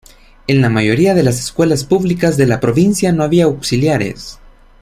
En la mayoría de las escuelas públicas de la provincia no había auxiliares.